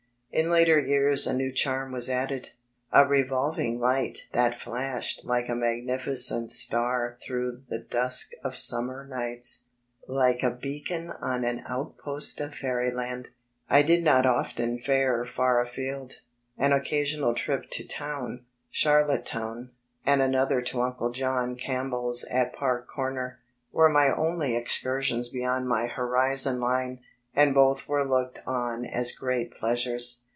In later years a new charm was added, a revolv ing light that flashed like a magnificent star through the dusk of summer nights, like a beacon on an outpost of fairyland. I did not often fare far afield. An occasional trip to town Charlottetown and another to Uncle John Camp bell's at Park Comer, were my only excursions beyond my horizon line, and both were looked on as great pleasures.